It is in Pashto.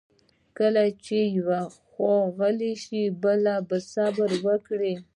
کله چې یوه خوا غلې شي، بله باید صبر وکړي.